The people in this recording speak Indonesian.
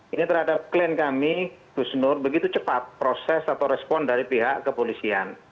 ini terhadap klien kami gus nur begitu cepat proses atau respon dari pihak kepolisian